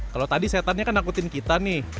kalau tadi setannya kan nakutin kita nih